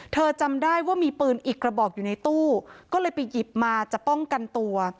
จำได้ว่ามีปืนอีกกระบอกอยู่ในตู้ก็เลยไปหยิบมาจะป้องกันตัว